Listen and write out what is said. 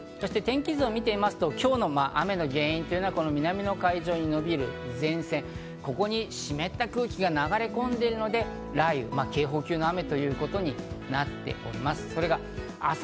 そして天気図を見てみますと今日の雨の原因というのは南の海上にのびる前線、ここに湿った空気が流れ込んでいるので、雷雨、警報級の雨ということになっております。